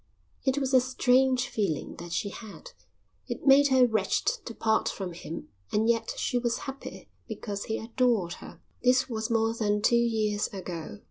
It was a strange feeling that she had. It made her wretched to part from him and yet she was happy because he adored her. This was more than two years ago.